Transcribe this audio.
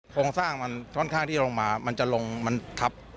โครงสร้างมันค่อนข้างที่จะลงมามันจะลงมันทับ